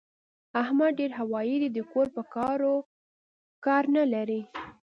احمد ډېر هوايي دی؛ د کور په کارو کار نه لري.